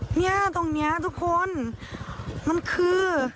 เนี่ยตรงนี้ทุกคนมันคือ